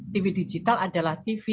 tv digital adalah tv